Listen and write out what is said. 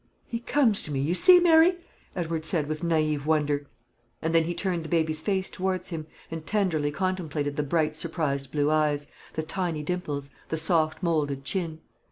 "He comes to me, you see, Mary!" Edward said, with naïve wonder. And then he turned the baby's face towards him, and tenderly contemplated the bright surprised blue eyes, the tiny dimples, the soft moulded chin.